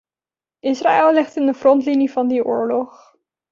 Israël ligt in de frontlinie van die oorlog.